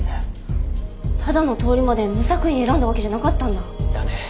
ただの通り魔で無作為に選んだわけじゃなかったんだ。だね。